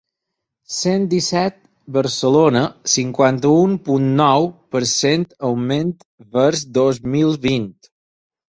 Cent disset Barcelona, cinquanta-u punt nou per cent augment vers dos mil vint.